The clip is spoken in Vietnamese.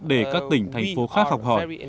để các tỉnh thành phố khác học hỏi